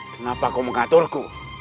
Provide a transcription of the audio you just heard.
kenapa kau mengaturku